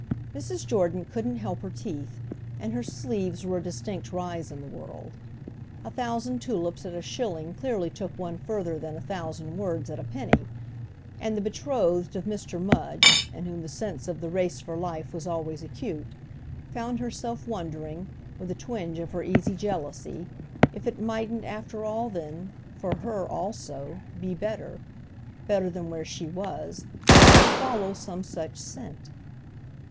Mrs. Jordan couldn't help her teeth, and her sleeves were a distinct rise in the world. A thousand tulips at a shilling clearly took one further than a thousand words at a penny; and the betrothed of Mr. Mudge, in whom the sense of the race for life was always acute, found herself wondering, with a twinge of her easy jealousy, if it mightn't after all then, for her also, be better—better than where she was—to follow some such scent.